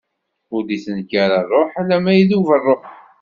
Ur d-ittnekkar ṛṛuḥ alamma idub ṛṛuḥ.